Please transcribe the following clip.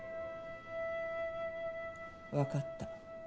わかった。